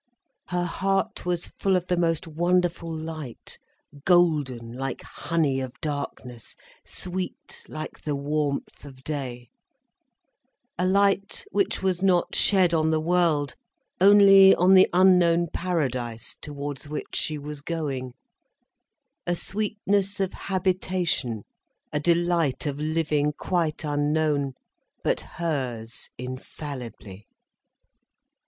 Her heart was full of the most wonderful light, golden like honey of darkness, sweet like the warmth of day, a light which was not shed on the world, only on the unknown paradise towards which she was going, a sweetness of habitation, a delight of living quite unknown, but hers infallibly.